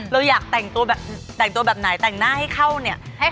เราอยากแต่งตัวแบบแต่งตัวแบบไหนแต่งหน้าให้เข้าเนี่ย